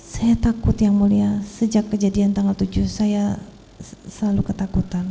saya takut yang mulia sejak kejadian tanggal tujuh saya selalu ketakutan